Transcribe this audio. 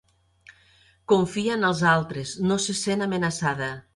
Confia en els altres, no se sent amenaçada